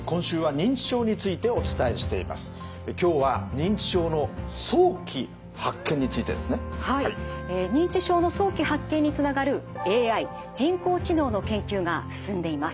認知症の早期発見につながるＡＩ人工知能の研究が進んでいます。